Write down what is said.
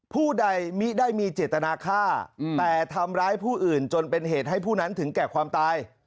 ผู้ใดมิได้มีเจตนาฆ่าแต่ทำร้ายผู้อื่นจนเป็นเหตุให้ผู้นั้นถึงแก่ความตาย